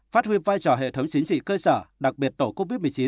phát huy vai trò hệ thống chính trị cơ sở đặc biệt tổ covid một mươi chín